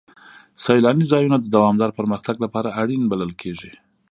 سیلاني ځایونه د دوامداره پرمختګ لپاره اړین بلل کېږي.